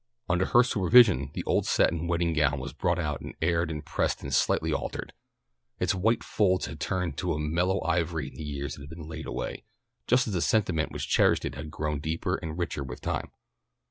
Under her supervision the old satin wedding gown was brought out and aired and pressed and slightly altered. Its white folds had turned to a mellow ivory in the years it had been laid away, just as the sentiment which cherished it had grown deeper and richer with time.